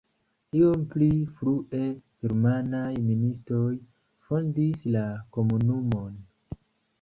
Iom pli frue germanaj ministoj fondis la komunumon.